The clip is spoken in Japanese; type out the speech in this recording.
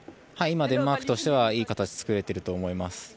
今、デンマークとしてはいい形を作れていると思います。